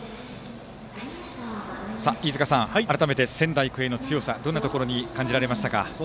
飯塚さん、改めて仙台育英の強さどんなところに感じられましたか。